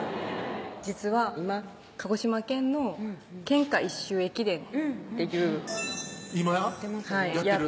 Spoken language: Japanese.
実は今鹿児島県の県下一周駅伝っていう今やってる？